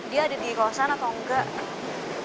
dia ada di kosan atau enggak